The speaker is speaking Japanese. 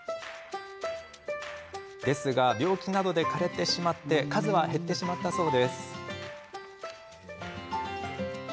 ですが、病気などで枯れてしまい数は減ってしまったそうです。